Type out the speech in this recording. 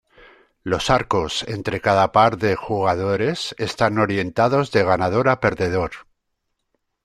Los arcos entre cada par de jugadores están orientados de ganador a perdedor.